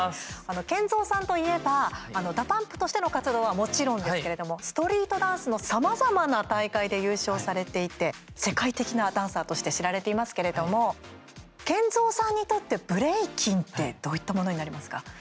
ＫＥＮＺＯさんといえばＤＡＰＵＭＰとしての活動はもちろんですけれどもストリートダンスのさまざまな大会で優勝されていて世界的なダンサーとして知られていますけれどもＫＥＮＺＯさんにとってブレイキンってどういったものになりますか？